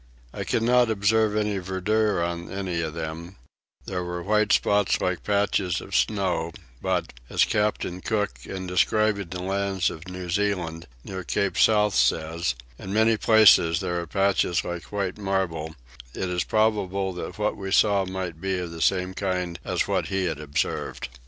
I could not observe any verdure on any of them: there were white spots like patches of snow but, as Captain Cook, in describing the land of New Zealand, near Cape South, says, in many places there are patches like white marble, it is probable that what we saw might be of the same kind as what he had observed.